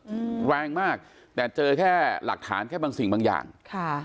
อืมแรงมากแต่เจอแค่หลักฐานแค่บางสิ่งบางอย่างค่ะ